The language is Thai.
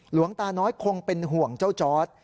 หลวงตาน้อยคงเป็นห่วงเจ้าจอร์ด